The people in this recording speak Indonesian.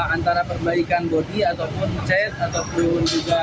antara perbaikan bodi ataupun chat ataupun juga